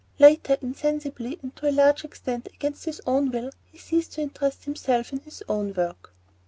Later, insensibly and to a large extent against his own will, he ceased to interest himself in his own work.